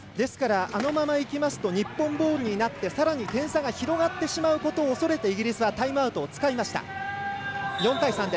あのままいきますと日本ボールになってさらに点差が広がってしまうことを恐れてイギリスはタイムアウトを使いました。